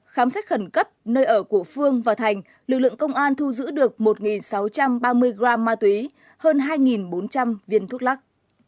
khám xét khẩn cấp nơi ở của phương và thành lực lượng công an thu giữ được một sáu trăm ba mươi gram ma túy hơn hai bốn trăm linh viên thuốc lắc